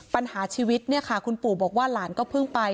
ปัญหาชีวิตคุณปู่บอกว่าหลานก็เพิ่งไป